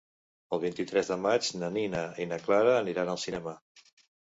El vint-i-tres de maig na Nina i na Clara aniran al cinema.